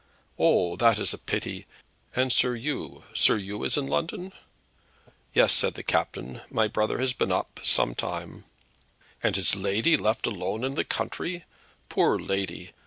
"Ah; that is a pity. And Sir Oo? Sir Oo is in London?" "Yes," said the captain; "my brother has been up some time." "And his lady left alone in the country? Poor lady!